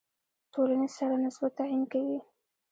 ټولنې سره نسبت تعیین کوي.